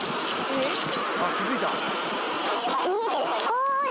おい。